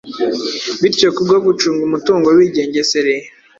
Bityo kubwo gucunga umutungo bigengesereye